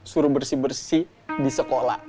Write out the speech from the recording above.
suruh bersih bersih di sekolah